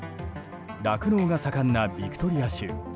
酪農が盛んなビクトリア州。